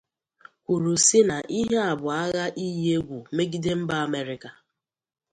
kwuru sị na ihe a bu agha iyi egwu megide mba Amerịka.